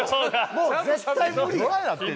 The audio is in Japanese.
もう絶対無理やん。